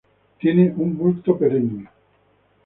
Tiene un bulbo perenne.